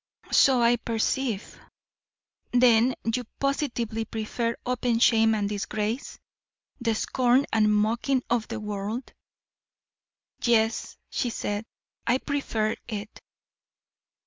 "So I perceive. Then you positively prefer open shame and disgrace, the scorn and mocking of the world?" "Yes," she said; "I prefer it."